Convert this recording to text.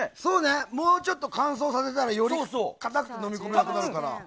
もうちょっと乾燥させたらよりかたくて飲み込めなくなるから。